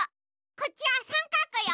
こっちはさんかくよ。